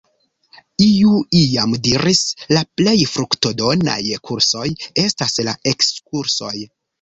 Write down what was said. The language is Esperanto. Iu iam diris: ”La plej fruktodonaj kursoj estas la ekskursoj”.